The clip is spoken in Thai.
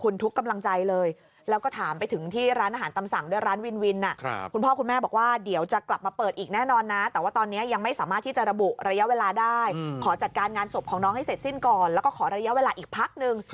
งานศพของน้องให้เสร็จสิ้นก่อนแล้วก็ขอระยะเวลาอีกพักนึง